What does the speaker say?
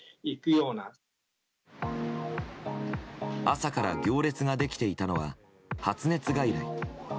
朝から行列ができていたのは発熱外来。